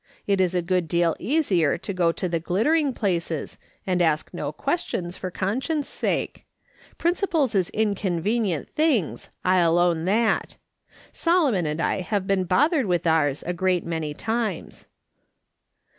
It is a good deal easier to go to the glittering places, and ask no questions for conscience' sake. Principles is inconvenient things, I'll own that. Solomon "PKINCIPLES IS INCONVENIENT THINGS. 243 and I have been bothered with ours a great manj times."